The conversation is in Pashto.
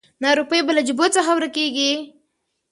نه روپۍ به له جېبو څخه ورکیږي